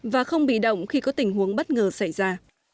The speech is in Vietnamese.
và không bị động khi có tình huống bất ngờ xảy ra